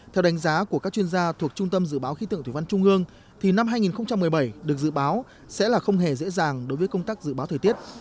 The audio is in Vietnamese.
theo đánh giá của các chuyên gia thuộc trung tâm dự báo khí tượng thủy văn trung ương thì năm hai nghìn một mươi bảy được dự báo sẽ là không hề dễ dàng đối với công tác dự báo thời tiết